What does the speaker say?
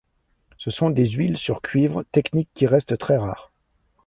Ce sont des huiles sur cuivre, technique qui reste très rare.